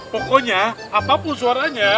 pokoknya apapun suaranya